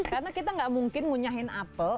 karena kita gak mungkin ngunyahin apel